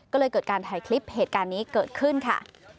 ก็เลยเกิดการถ่ายคลิปเหตุการณ์นี้เกิดขึ้นค่ะ